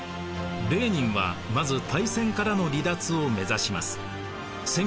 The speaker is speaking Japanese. レーニンはまず大戦からの離脱を目指します。